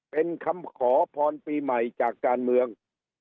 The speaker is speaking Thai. เป็นคำขอพรปีใหม่จากการเมือง